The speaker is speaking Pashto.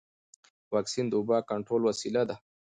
واکسن د وبا د کنټرول وسیله ده.